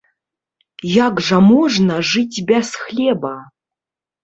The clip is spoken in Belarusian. Як жа можна жыць без хлеба?